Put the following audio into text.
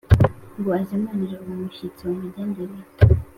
ngo azimanire uwo mushyitsi wamugendereye